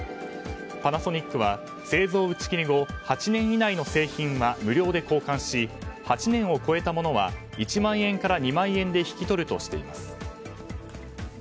パナソニックは製造打ち切り後８年以内の製品は無料で交換し８年を超えたものは１万円から２万円で引き取るとしています。